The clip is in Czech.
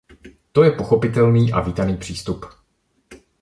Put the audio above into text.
To je pochopitelný a vítaný přístup.